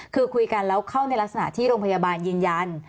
คือคุยกันแล้วเข้าในลักษณะที่โรงพยาบาลยืนยัน